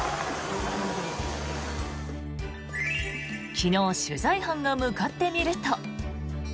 昨日、取材班が向かってみると。